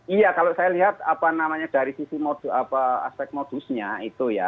iya kalau saya lihat apa namanya dari sisi aspek modusnya itu ya